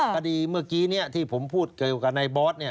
คดีเมื่อกี้ที่ผมพูดเกี่ยวกับในบอส